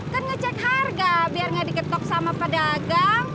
kan ngecek harga biar nggak diketok sama pedagang